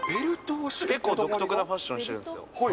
結構独特なファッションしてるんですよ。